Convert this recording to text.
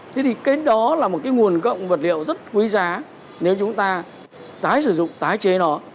thế thì cái đó là một cái nguồn gốc vật liệu rất quý giá nếu chúng ta tái sử dụng tái chế nó